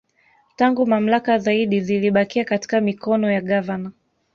Tangu mamlaka zaidi zilibakia katika mikono ya Gavana